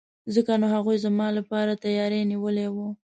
ځکه نو هغوی زما لپاره تیاری نیولی وو.